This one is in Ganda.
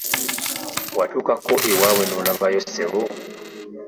Watuukako ewaabwe n'olabayo ssebo?